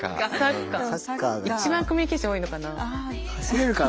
一番コミュニケーション多いのかな。